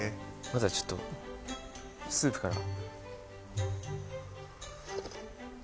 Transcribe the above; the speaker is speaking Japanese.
まずはちょっとスープから。